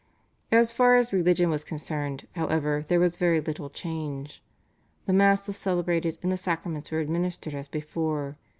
" As far as religion was concerned, however, there was very little change. The Mass was celebrated and the Sacraments were administered as before.